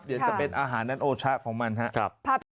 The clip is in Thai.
เดี๋ยวจะเป็นอาหารนั้นโอชะของมันครับ